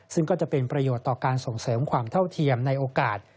ซึ่งก็จะเป็นประโยชน์ต่อการส่งเสริมความเท่าเทียมในโอกาส